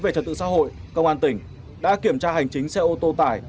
về trật tự xã hội công an tỉnh đã kiểm tra hành chính xe ô tô tải